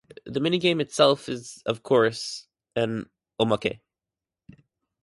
The minigame itself is, of course, an omake.